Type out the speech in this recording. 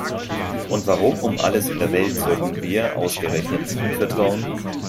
Und warum um alles in der Welt sollten wir ausgerechnet ihm vertrauen?